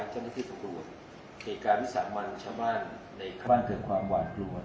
เหตุการณ์วิสัยมันชาวบ้านในข้าวบ้านเกิดความหวานปรวจ